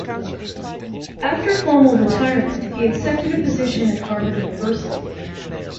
After formal retirement he accepted a position at Harvard University.